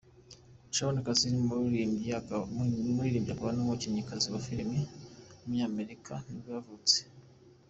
Shawn Cassidy, umuririmbyi akaba n’umukinnyi wa film w’umunyamerika nibwo yavutse.